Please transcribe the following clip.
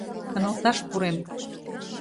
Каналташ пурем.